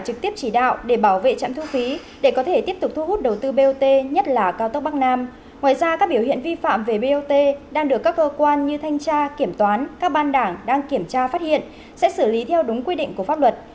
các hành vi bot đang được các cơ quan như thanh tra kiểm toán các ban đảng đang kiểm tra phát hiện sẽ xử lý theo đúng quy định của pháp luật